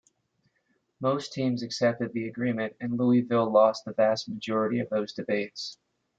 Most teams accepted the agreement and Louisville lost the vast majority of those debates.